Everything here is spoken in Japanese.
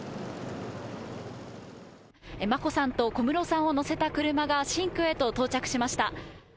眞子さんと小室さんを乗せた車が新居へと到着しました。